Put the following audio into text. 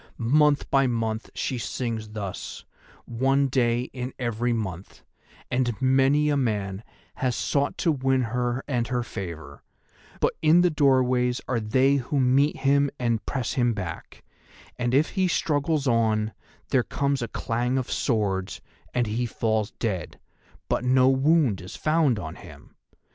Month by month she sings thus, one day in every month, and many a man has sought to win her and her favour, but in the doorways are they who meet him and press him back; and if he still struggles on, there comes a clang of swords and he falls dead, but no wound is found on him.